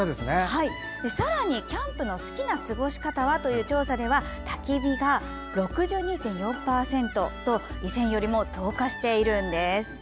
さらに、キャンプの好きな過ごし方はという調査ではたき火が６２．４％と以前よりも増加しているんです。